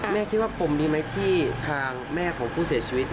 แม่คิดว่าปมนี้ไหมที่ทางแม่ของผู้เสียชีวิต